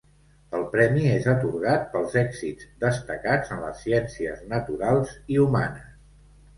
El premi és atorgat pels èxits destacats en les ciències naturals i humanes.